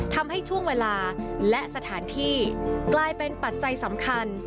ทำให้ช่วงเวลาและสถานที่กลายเป็นปัจจัยสำคัญ